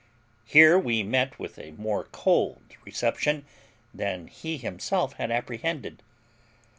Here he met with a more cold reception than he himself had apprehended.